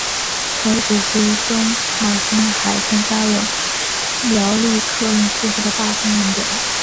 同一时期曾茂兴还参加了苗栗客运司机的罢工运动。